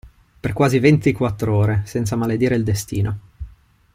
Per quasi ventiquattr'ore, senza maledire il destino.